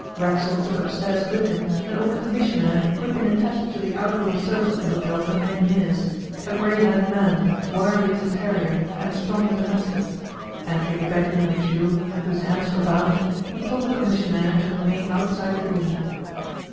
Racksole took upstairs with him an old commissionaire who had been attached to the outdoor service of the hotel for many years a grey haired man, wiry as a terrier and strong as a mastiff. Entering the bedroom with Jules, whose hands were bound, he told the commissionaire to remain outside the door.